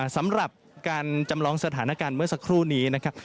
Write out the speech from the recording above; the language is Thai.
สำหรับการจำลองสถานการณ์เมื่อสักครู่นี้นะครับ